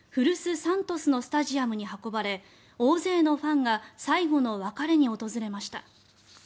サントスのスタジアムに運ばれ大勢のファンが最後の別れに訪れました。